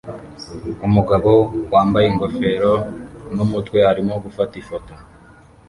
Umugabo wambaye ingofero numutwe arimo gufata ifoto